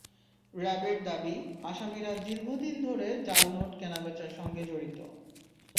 র্যা বের দাবি, আসামিরা দীর্ঘদিন ধরে জাল নোট কেনাবেচার সঙ্গে জড়িত।